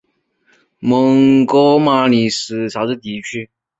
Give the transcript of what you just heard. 蒙哥马利是位于美国加利福尼亚州门多西诺县的一个非建制地区。